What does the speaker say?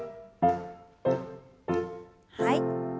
はい。